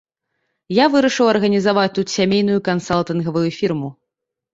Я вырашыў арганізаваць тут сямейную кансалтынгавую фірму.